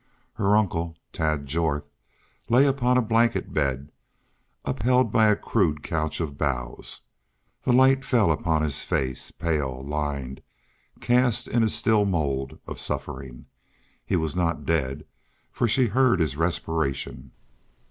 Her uncle, Tad Jorth, lay upon a blanket bed upheld by a crude couch of boughs. The light fell upon his face, pale, lined, cast in a still mold of suffering. He was not dead, for she heard his respiration.